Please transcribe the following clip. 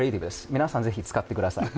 皆さん、ぜひ使ってください。